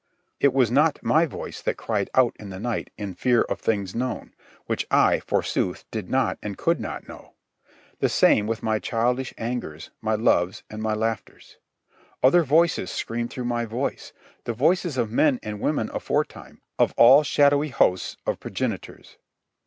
It was not my voice that cried out in the night in fear of things known, which I, forsooth, did not and could not know. The same with my childish angers, my loves, and my laughters. Other voices screamed through my voice, the voices of men and women aforetime, of all shadowy hosts of progenitors.